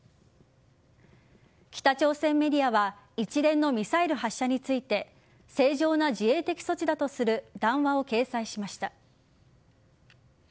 北朝鮮メディアは一連のミサイル発射について正常な自衛的措置だとする談話を掲載しました。